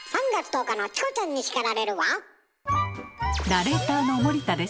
ナレーターの森田です。